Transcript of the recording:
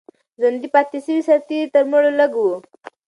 ژوندي پاتې سوي سرتیري تر مړو لږ وو.